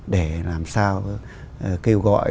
để làm sao kêu gọi